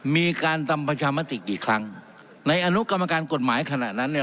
มีการทำประชามติกี่ครั้งในอนุกรรมการกฎหมายขณะนั้นเนี่ย